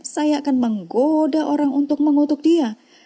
saya akan menggoda orang untuk mengutuk dia